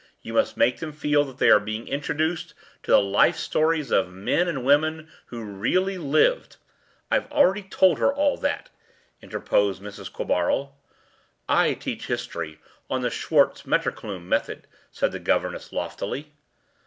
You must make them feel that they are being introduced to the life stories of men and women who really lived—” “I’ve told her all that,” interposed Mrs. Quabarl. “I teach history on the Schartz Metterklume method,” said the governess loftily.